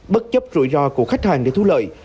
bất chấp rủi ro của khách hàng để thu lợi